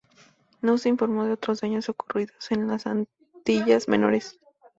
No se informó de otros daños ocurridos en las Antillas Menores.